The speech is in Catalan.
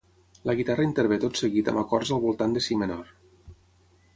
La guitarra intervé tot seguit amb acords al voltant de si menor.